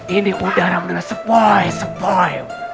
ini udara benar benar sepoi sepoi